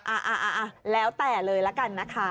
อ่าแล้วแต่เลยละกันนะคะ